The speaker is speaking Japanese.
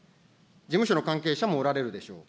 事務所の関係者もおられるでしょう。